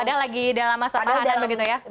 padang lagi dalam masa padang begitu ya